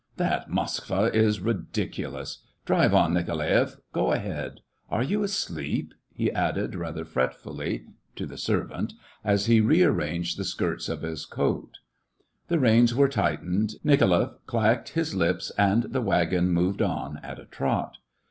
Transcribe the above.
" That Moskva is ridiculous ! Drive on, Nikolaeff ! go ahead ! Are you asleep V^ he added, rather fretfully, to the servant, as he re arranged the skirts of his coat. The reins were tightened, Nikolaeff clacked his lips, and the wagon moved on at a trot.